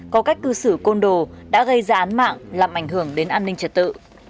có cách cư xử côn đồ đã gây ra án mạng làm ảnh hưởng đến an ninh trật tự